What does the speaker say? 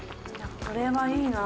これはいいな